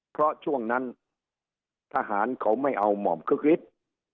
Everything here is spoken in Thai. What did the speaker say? เพราะช่วงนั้นทหารเขาไม่เอาหม่อมคึกฤทธิ์